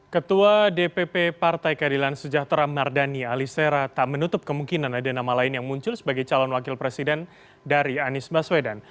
ketua dpp partai keadilan sejahtera mardani alisera tak menutup kemungkinan ada nama lain yang muncul sebagai calon wakil presiden dari anies baswedan